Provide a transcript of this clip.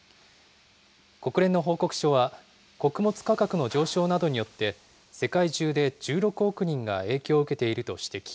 国連の報告書は、穀物価格の上昇などによって、世界中で１６億人が影響を受けていると指摘。